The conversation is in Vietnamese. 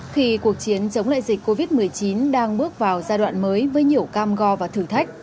khi cuộc chiến chống lại dịch covid một mươi chín đang bước vào giai đoạn mới với nhiều cam go và thử thách